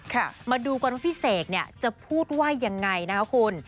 ค่ะมาดูก่อนพี่เสกจะพูดว่ายังไงนะครับคุณ